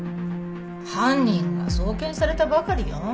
犯人が送検されたばかりよ。